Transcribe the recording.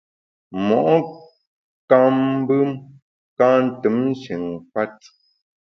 Mo’ nkam mbem ka ntùm nshin nkùet.